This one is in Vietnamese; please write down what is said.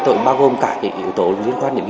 tội bao gồm cả cái yếu tố liên quan đến